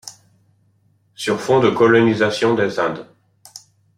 Sur fond de colonisation des Indes.